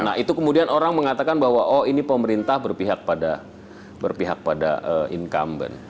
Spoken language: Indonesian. nah itu kemudian orang mengatakan bahwa oh ini pemerintah berpihak pada incumbent